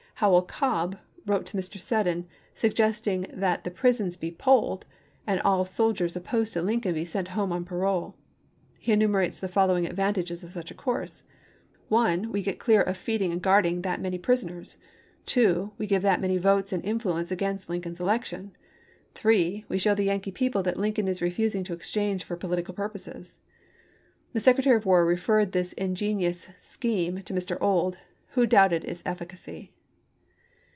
Howell Cobb wrote to Mr. Seddon suggesting that the prisons be polled, and all soldiers opposed to Lincoln be sent home on parole. He enumerates the following advantages of such a course :" 1. We get clear of feeding and guarding that many prisoners. 2. We give that many votes and influence against Lincoln's election. 3. We show the Yankee people that Lincoln is refusing to exchange for political pur poses." The Secretary of War referred this ingeni ous scheme to Mr. Ould, who doubted its efficacy.